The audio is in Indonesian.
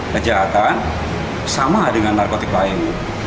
kejahatan sama dengan narkotik lain